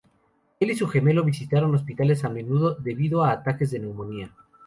Él y su gemelo visitaron hospitales a menudo debido a ataques de neumonía.